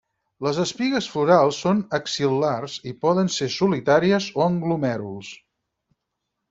Les espigues florals són axil·lars i poden ser solitàries o en glomèruls.